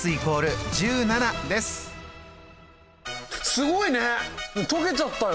すごいね解けちゃったよ！